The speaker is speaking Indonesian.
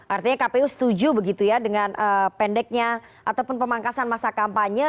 artinya kpu setuju begitu ya dengan pendeknya ataupun pemangkasan masa kampanye